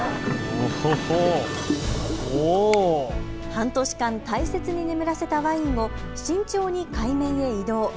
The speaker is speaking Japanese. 半年間、大切に眠らせたワインを慎重に海面へ移動。